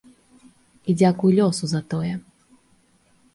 І дзякуй лёсу за тое.